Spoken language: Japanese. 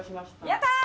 やったー！